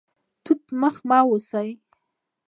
توت مخ مه اوسئ